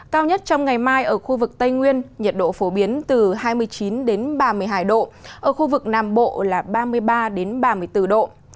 cao nhất trong ngày mai ở khu vực tây nguyên nhiệt độ phổ biến từ hai mươi chín ba mươi hai độ ở khu vực nam bộ là ba mươi ba ba mươi bốn độ